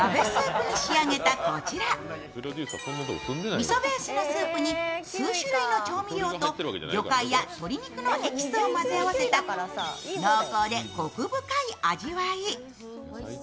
みそベースのスープに数種類の調味料と魚介や鶏肉のエキスを混ぜ合わせた濃厚でコク深い味わい。